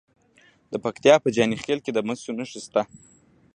د پکتیا په جاني خیل کې د مسو نښې شته.